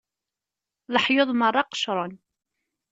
Leḥyuḍ merra qecren.